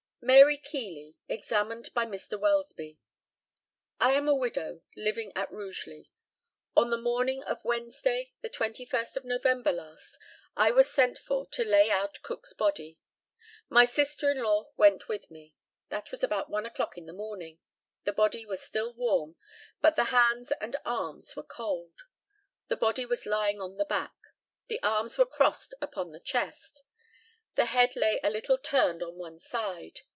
MARY KEELEY, examined by Mr. WELSBY: I am a widow, living at Rugeley. On the morning of Wednesday, the 21st of November last, I was sent for to lay out Cook's body. My sister in law went with me. That was about one o'clock in the morning. The body was still warm, but the hands and arms were cold. The body was lying on the back. The arms were crossed upon the chest. The head lay a little turned on one side.